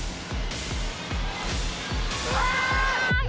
うわ！